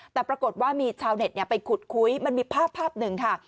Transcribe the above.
แต่ปรากฏว่ามีชาวเน็ตไปขุดคุยมันมีภาพหนึ่งค่ะ